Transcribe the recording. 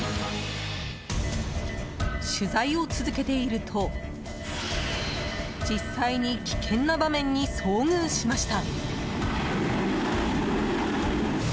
取材を続けていると実際に危険な場面に遭遇しました。